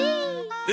え？